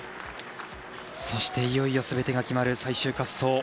そして、いよいよすべてが決まる最終滑走。